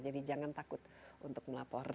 jadi jangan takut untuk melapor